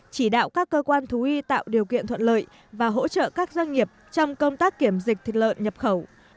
chỉ đạo các cơ quan thú y tạo điều kiện thuận lợi và hỗ trợ các doanh nghiệp trong công tác kiểm dịch thịt lợn nhập khẩu